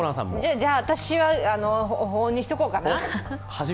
じゃあ、私は保温にしておこうかな。